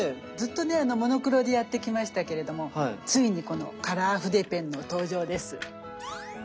ずっとねモノクロでやってきましたけれどもついにこのカラー筆ペンの登場です。